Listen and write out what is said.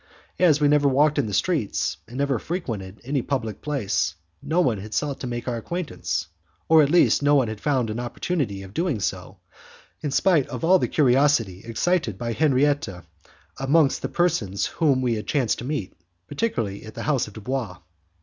As we never walked in the streets, and never frequented any public place, no one had sought to make our acquaintance, or at least no one had found an opportunity of doing so, in spite of all the curiosity excited by Henriette amongst the persons whom we had chanced to meet, particularly at the house of Dubois.